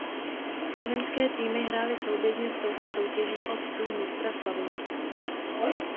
Slovinské týmy hrály souběžně s touto soutěží o titul mistra Slovinska.